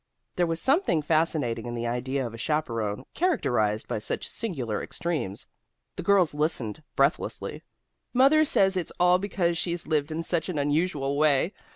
There was something fascinating in the idea of a chaperon, characterized by such singular extremes. The girls listened breathlessly. "Mother says it's all because she's lived in such an unusual way.